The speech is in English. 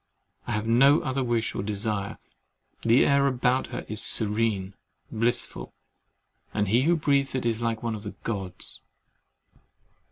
I have no other wish or desire. The air about her is serene, blissful; and he who breathes it is like one of the Gods!